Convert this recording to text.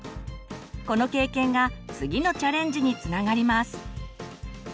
この経験が次のチャレンジにつながります。